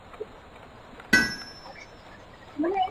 A hmasa bik ah ka chim duh mi cu hihi a si.